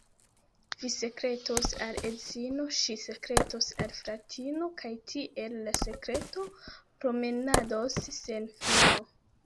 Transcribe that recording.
Vi sekretos al edzino, ŝi sekretos al fratino, kaj tiel la sekreto promenados sen fino.